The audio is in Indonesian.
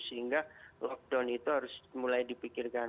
sehingga lockdown itu harus mulai dipikirkan